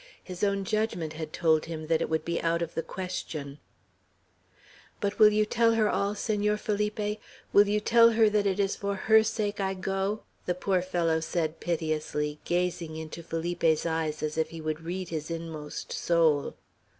His own judgment had told him that it would be out of the question. "But you will tell her all, Senor Felipe? You will tell her that it is for her sake I go?" the poor fellow said piteously, gazing into Felipe's eyes as if he would read his inmost soul.